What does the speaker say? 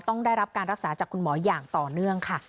ต้องได้รับการรักษาจากคุณหมออย่างต่อเนื่องค่ะ